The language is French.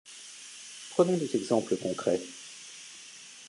Prenons des exemples concrets.